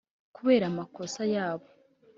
kubera amakosa yabo